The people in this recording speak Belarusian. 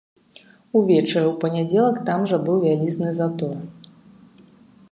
Увечары ў панядзелак там жа быў вялізны затор.